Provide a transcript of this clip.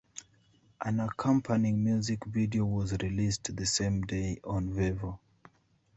An accompanying music video was released the same day on Vevo.